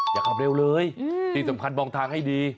อย่าขับเร็วเลยที่สำคัญมองทางให้ดี